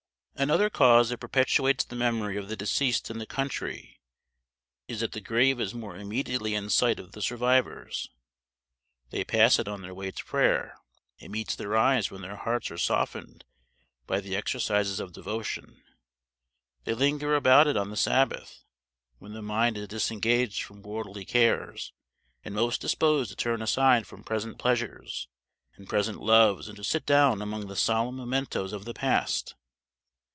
Another cause that perpetuates the memory of the deceased in the country is that the grave is more immediately in sight of the survivors. They pass it on their way to prayer; it meets their eyes when their hearts are softened by the exercises of devotion; they linger about it on the Sabbath, when the mind is disengaged from worldly cares and most disposed to turn aside from present pleasures and present loves and to sit down among the solemn mementos of the past.